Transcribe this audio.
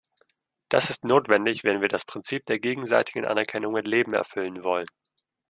Das ist notwendig, wenn wir das Prinzip der gegenseitigen Anerkennung mit Leben erfüllen wollen.